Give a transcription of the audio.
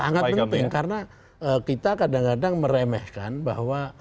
sangat penting karena kita kadang kadang meremehkan bahwa